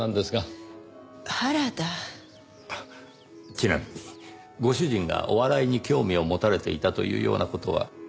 ちなみにご主人がお笑いに興味を持たれていたというような事は？